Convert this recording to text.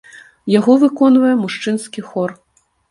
Яго выконвае мужчынскі хор.